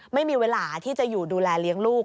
ไม่มีเวลาที่จะอยู่ดูแลเลี้ยงลูก